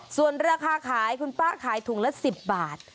ส่วนราคาขายคุณป้าขายถุงละ๑๐บาท